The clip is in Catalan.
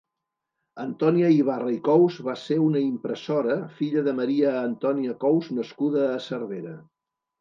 Antònia Ibarra i Cous va ser una impressora, filla de María Antonia Cous nascuda a Cervera.